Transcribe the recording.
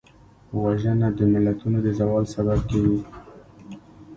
وژنه د ملتونو د زوال سبب کېږي